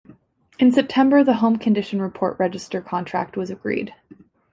In September the Home Condition Report Register contract was agreed.